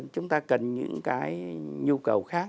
chúng ta cần những cái nhu cầu khác